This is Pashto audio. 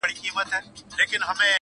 سیوري ته د پلونو مي کاروان راسره وژړل!.